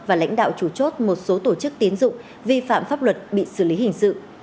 và lãnh đạo chủ chốt một số tổ chức tiến dụng vi phạm pháp luật bị xử lý hình sự